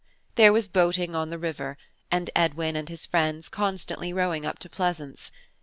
There was boating on the river, and Edwin and his friends constantly rowing up to Pleasance.